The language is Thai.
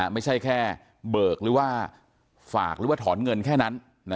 ไม่ใช่แค่เบิกหรือว่าฝากหรือว่าถอนเงินแค่นั้น